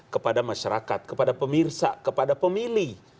kepada masyarakat kepada pemirsa kepada pemilih